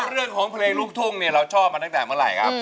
เรื่องของเพลงลูกทุ่งเนี่ยเราชอบมาตั้งแต่เมื่อไหร่ครับ